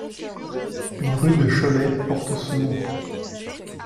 Une rue de Cholet porte son nom.